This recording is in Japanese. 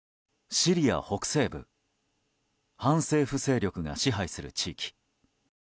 シリア北西部反政府勢力が支配する地域。